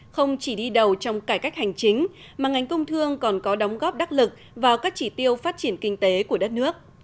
không chỉ đi đầu trong cải cách hành chính mà ngành công thương còn có đóng góp đắc lực vào các chỉ tiêu phát triển kinh tế của đất nước